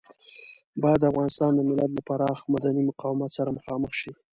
بايد د افغانستان د ملت له پراخ مدني مقاومت سره مخامخ شي.